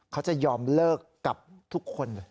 เขาจะยอมเลิกกับทุกคน